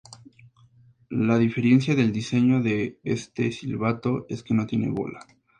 La diferencia del diseño de este silbato es que no tiene bola.